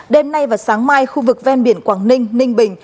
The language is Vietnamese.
đêm nay và sáng mai khu vực ven biển quảng ninh ninh bình